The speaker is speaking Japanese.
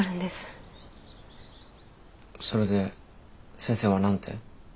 それで先生は何て？